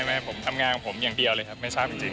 แม่ผมทำงานของผมอย่างเดียวเลยครับไม่ทราบจริง